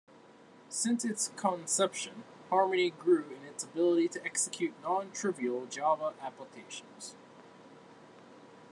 Since its conception, Harmony grew in its ability to execute non-trivial Java applications.